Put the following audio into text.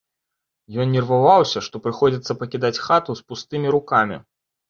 Ён нерваваўся, што прыходзіцца пакідаць хату з пустымі рукамі.